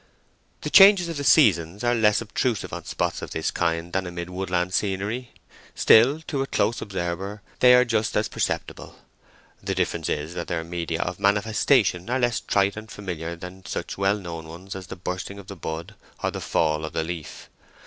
The changes of the seasons are less obtrusive on spots of this kind than amid woodland scenery. Still, to a close observer, they are just as perceptible; the difference is that their media of manifestation are less trite and familiar than such well known ones as the bursting of the buds or the fall of the leaf.